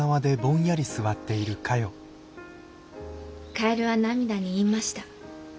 「カエルはナミダに言いました。